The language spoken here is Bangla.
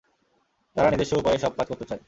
তারা নিজস্ব উপায়ে সব কাজ করতে চায়।